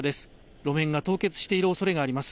路面が凍結しているおそれがあります。